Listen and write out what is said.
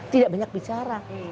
tidak banyak bicara